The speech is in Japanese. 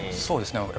そうですね。